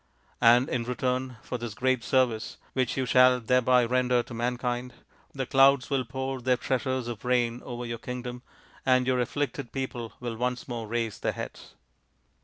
And in return for this great service which you shall thereby render to mankind, the clouds will pour their treasures of rain over your kingdom, and your afflicted people will once more raise their heads."